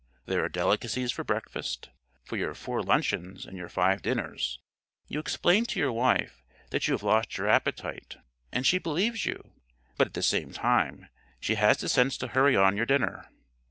There are delicacies for breakfast, for your four luncheons and your five dinners. You explain to your wife that you have lost your appetite, and she believes you, but at the same time she has the sense to hurry on your dinner.